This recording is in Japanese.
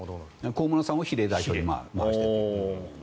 高村さんを比例代表に回して。